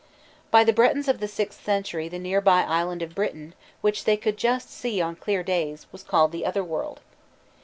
By the Bretons of the sixth century the near by island of Britain, which they could just see on clear days, was called the Otherworld.